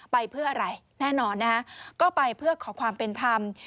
ไปเพื่ออะไรแน่นอนนะฮะก็ไปเพื่อขอความเป็นธรรม